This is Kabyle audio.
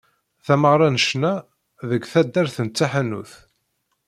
Tameɣra n ccna deg taddart n Taḥanut.